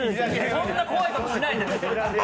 そんな怖いことしないです。